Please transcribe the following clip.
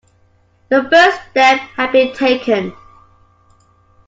The first step had been taken.